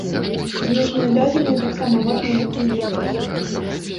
Знешнія дадзеныя таксама важныя ў такім конкурсе.